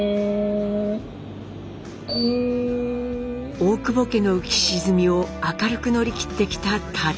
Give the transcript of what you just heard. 大久保家の浮き沈みを明るく乗り切ってきたたづ。